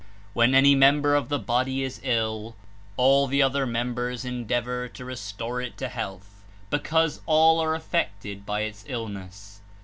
When any member of the body Is ill, all the other members endeavor to restore It to health, because all are affected by Its illness.